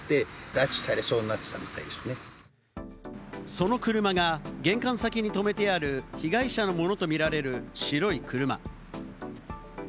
その車が、玄関先に停めてある被害者のものと見られる白い車。